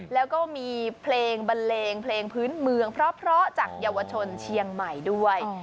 แล้วก็มีเพลงบันเลงเพลงพื้นเมืองเพราะจากเยาวชนเชียงใหม่ด้วย